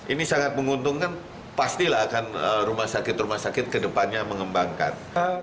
ini sangat menguntungkan pastilah akan rumah sakit rumah sakit kedepannya mengembangkan